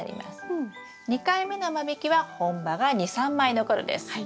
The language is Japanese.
２回目の間引きは本葉が２３枚の頃です。